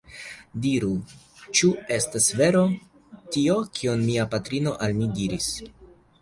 Diru, ĉu estas vero tio, kion mia patrino al mi diris?